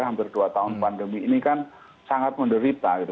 hampir dua tahun pandemi ini kan sangat menderita gitu